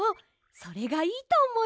それがいいとおもいます！